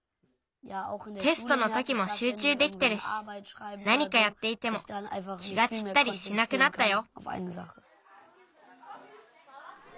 テストのときもしゅうちゅうできてるしなにかやっていても気がちったりしなくなったよ。